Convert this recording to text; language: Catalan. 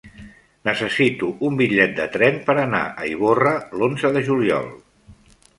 Necessito un bitllet de tren per anar a Ivorra l'onze de juliol.